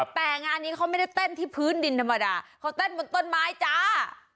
แต่งานนี้เขาไม่ได้เต้นที่พื้นดินธรรมดาเขาเต้นบนต้นไม้จ้า